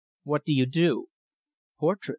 "What do you do?" "Portraits."